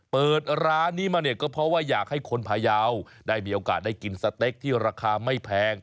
เปิดร้านนี้มาเนี่ยก็เพราะว่าอยากให้คนพายาวได้มีโอกาสได้กินสเต็กที่ราคาไม่แพง